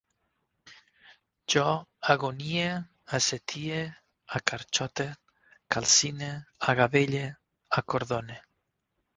Jo agonie, assetie, acarxote, calcine, agabelle, acordone